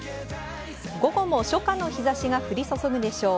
午後も初夏の日差しが降り注ぐでしょう。